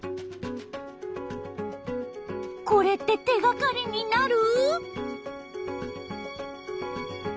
これって手がかりになる？